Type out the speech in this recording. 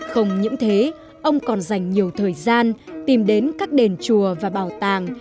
không những thế ông còn dành nhiều thời gian tìm đến các đền chùa và bảo tàng